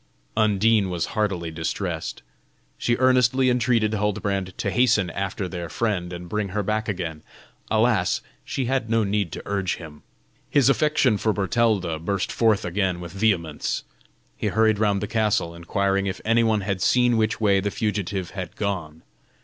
Undine was heartily distressed. She earnestly entreated Huldbrand to hasten after their friend and bring her back again. Alas! she had no need to urge him. His affection for Bertalda burst forth again with vehemence. He hurried round the castle, inquiring if any one had seen which way the fugitive had gone.